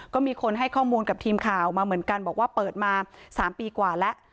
ก็มีคนให้ข้อมูลกับทีมข่าวมาเหมือนกันบอกว่าเปิดมา๓ปีกว่าแล้ว